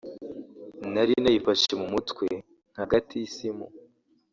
nari nayifashe mu mutwe nka Gatisimu